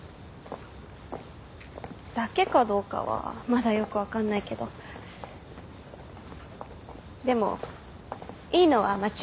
「だけ」かどうかはまだよく分かんないけどでもいいのは間違いない。